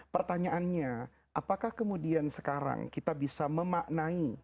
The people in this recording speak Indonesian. pertanyaannya apakah kemudian sekarang kita bisa memaknai